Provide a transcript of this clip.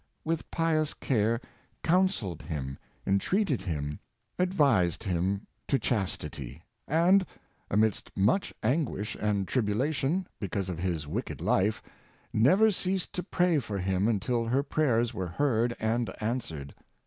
with pious care counselled him, entreated him, advised him to chastity, and, amidst much anguish and tribula tion, because of his wicked life, never ceased to pray for him until her prayers were heard and answered.